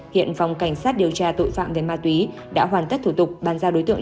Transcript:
hiện phòng cảnh sát điều tra tội phạm về ma túy đã hoàn tất thủ tục bàn giao đối tượng